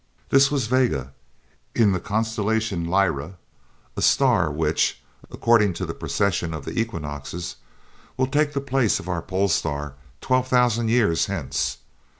This was Vega, in the constellation Lyra, a star which, according to the precession of the equinoxes, will take the place of our pole star 12,000 years hence.